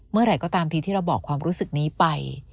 เมื่อไหร่ก็ตามทีที่เราบอกความรู้สึกนี้ไป